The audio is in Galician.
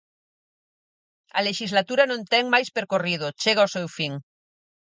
A lexislatura non ten máis percorrido, chega ao seu fin.